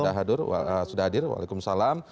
terima kasih sudah hadir waalaikumsalam